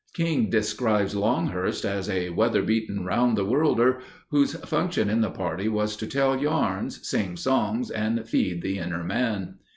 King describes Longhurst as "a weather beaten round the worlder, whose function in the party was to tell yarns, sing songs, and feed the inner man."